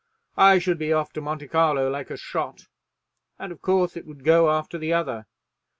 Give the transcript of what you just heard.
I should be off to Monte Carlo like a shot; and, of course it would go after the other.